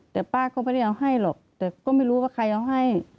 แต่ป้าก็ไม่ได้เอาให้หรอกแต่ก็ไม่รู้ว่าใครเอาให้